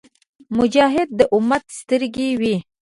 مجاهد د امت سترګې وي.